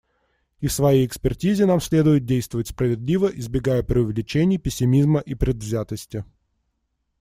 И в своей экспертизе нам следует действовать справедливо, избегая преувеличений, пессимизма и предвзятости.